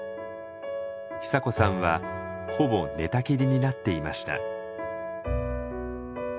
久子さんはほぼ寝たきりになっていました。